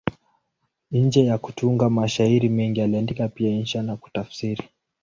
Nje ya kutunga mashairi mengi, aliandika pia insha na kutafsiri.